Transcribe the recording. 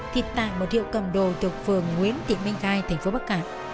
thì tại một hiệu cầm đồ thuộc phường nguyễn tỉnh minh khai thành phố bắc cạn